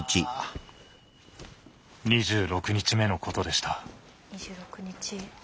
２６日目のことでした。